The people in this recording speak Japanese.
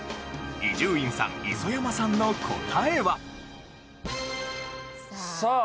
伊集院さん磯山さんの答えは？さあ。